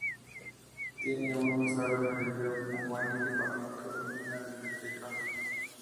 Tiene una sala de vídeo con buen equipamiento y una biblioteca.